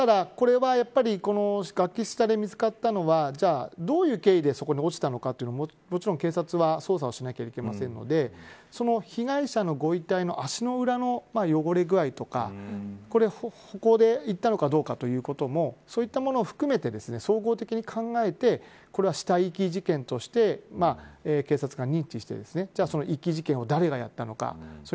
これは、崖下で見つかったのはどういう経緯でそこに落ちたのかというのをもちろん警察は捜査をしなければいけませんので被害者のご遺体の足の裏の汚れ具合とか歩行で行ったのかどうかということもそういったものも含めて総合的に考えてこれは死体遺棄事件として警察が認知してじゃあその遺棄事件を誰が行ったのか。